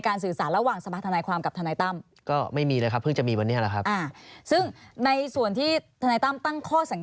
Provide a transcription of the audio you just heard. แล้วก็นั่งแถลงข่าวเนี่ยนะคะ